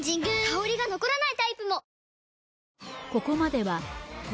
香りが残らないタイプも！